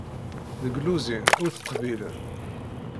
Deg lluzin, ur t-qbilen.